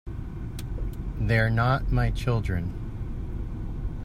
They're not my children.